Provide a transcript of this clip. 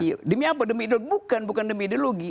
iya demi apa demi bukan bukan demi ideologi